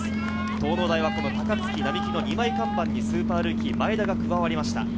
東農大はこの高槻・並木の２枚看板にスーパールーキー・前田が加わりました。